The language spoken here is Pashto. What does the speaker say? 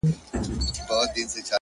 اوس به ورته ډېر ـډېر انـتـظـار كوم ـ